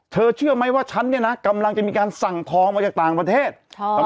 เชื่อไหมว่าฉันเนี่ยนะกำลังจะมีการสั่งทองมาจากต่างประเทศ